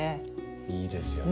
いいですよね。